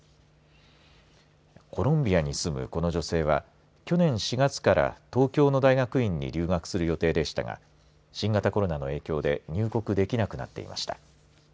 コロンビアに住む、この女性は去年４月から東京の大学院に留学する予定でしたが新型コロナの影響で入国できなくなっていました。